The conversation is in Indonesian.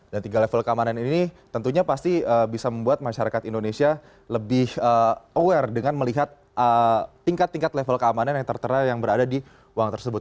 dan tiga level keamanan ini tentunya pasti bisa membuat masyarakat indonesia lebih aware dengan melihat tingkat tingkat level keamanan yang tertera yang berada di uang tersebut